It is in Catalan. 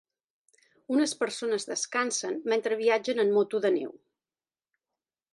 Unes persones descansen mentre viatgen en moto de neu.